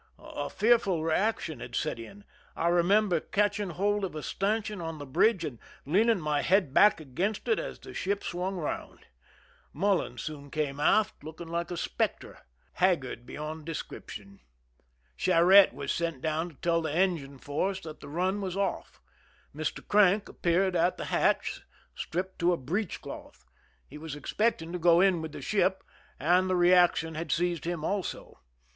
A fearful reaction had set in. I re member catching hold of a stanchion on the bridge and leaning ray head back against it as the ship swung around. Mullen soon came aft, looking like 63 THE SINKINa OF THE "MERRIMAC" a specter, haggard beyond description. Charette was sent down to tell the engine force that the run was off. Mr. Crank appeared at the hatch, stripped to a breech cloth ; he was expecting to go in with the ship, and the reaction had seized him also.